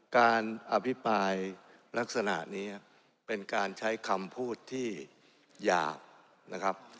การอภิปรายลักษณะนี้เป็นการใช้คำพูดที่อยากนะครับ